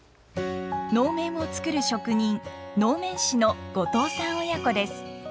能面を作る職人能面師の後藤さん親子です。